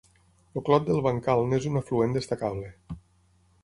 El Clot del Bancal n'és un afluent destacable.